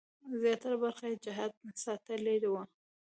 زیاتره برخه یې جهاد ساتلې وه.